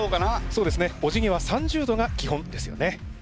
そうですねおじぎは３０度が基本ですよね。